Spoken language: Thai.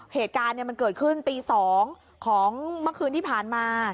เหตุการณ์มันเกิดขึ้นตี๒ของเมื่อคืนที่ผ่านมา